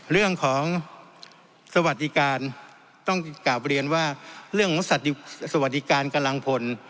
เรื่องของสวัสดิการต้องกลับเรียนว่าเรื่องของสวัสดิการกำลังพล